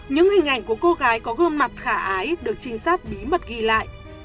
những hình ảnh của cô gái có gương mặt khả ái được trinh sát bí mật ghi lại